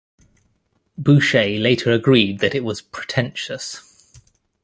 Boucher later agreed that it was "pretentious".